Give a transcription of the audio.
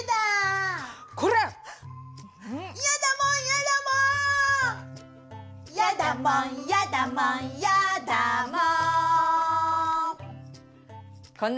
やだもんやだもんやだもん。